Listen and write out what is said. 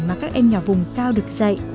mà các em nhỏ vùng cao được dạy